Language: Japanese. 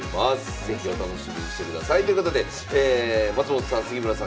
是非お楽しみにしてください。ということで松本さん杉村さん